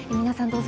皆さん